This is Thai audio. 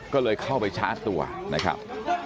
ก็เลยเข้าไปชาร์จตัวนะครับ